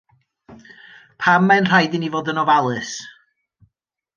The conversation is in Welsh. Pam mae'n rhaid i ni fod yn ofalus?